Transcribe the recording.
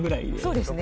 そうですね